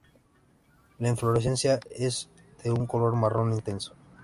La inflorescencia es de un color marrón intenso.